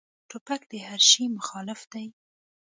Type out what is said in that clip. توپک د هر شي مخالف دی.